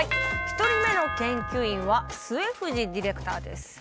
１人目の研究員は末藤ディレクターです。